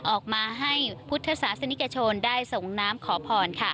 ออกมาให้พุทธศาสนิกชนได้ส่งน้ำขอพร